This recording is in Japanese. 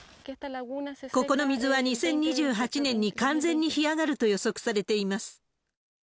ここの水は２０２８年に完全に干上がると予測されています。